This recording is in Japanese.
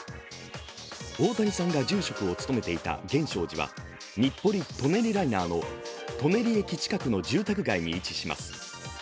大谷さんが住職を務めていた源証寺は日暮里・舎人ライナーの舎人駅近くの住宅街に位置します。